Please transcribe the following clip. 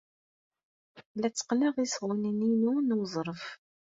La tteqqneɣ isɣunen-inu n weẓref.